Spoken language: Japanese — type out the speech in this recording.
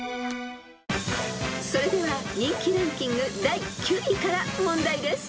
［それでは人気ランキング第９位から問題です］